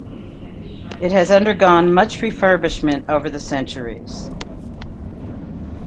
It has undergone much refurbishment over the centuries.